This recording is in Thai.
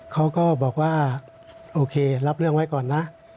เขาก็บอกว่าโอเครับเรื่องไว้ก่อนนะ